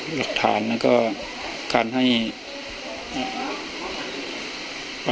ถ้าใครอยากรู้ว่าลุงพลมีโปรแกรมทำอะไรที่ไหนยังไง